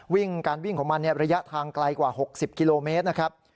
วิ่งการวิ่งของมันระยะทางไกลกว่า๖๐กิโลเมตรนะครับ